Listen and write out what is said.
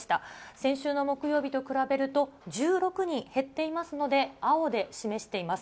先週の木曜日と比べると、１６人減っていますので、青で示しています。